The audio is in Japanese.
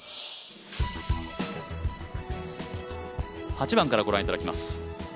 ８番からご覧いただきます。